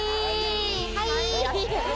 はい。